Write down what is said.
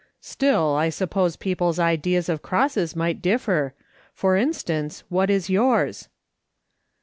" Still, I suppose people's ideas of crosses might differ. For instance, what is yours